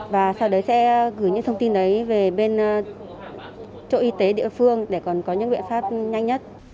và sau đấy sẽ gửi những thông tin đấy về bên chỗ y tế địa phương để còn có những biện pháp nhanh nhất